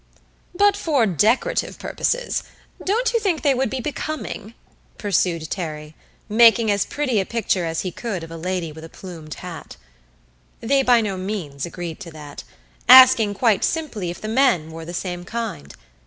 "But for decorative purposes don't you think they would be becoming?" pursued Terry, making as pretty a picture as he could of a lady with a plumed hat. They by no means agreed to that, asking quite simply if the men wore the same kind.